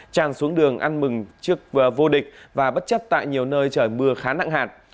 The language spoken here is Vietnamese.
tràn xuống đường ăn mừng trước vô địch và bất chấp tại nhiều nơi trời mưa khá nặng hạn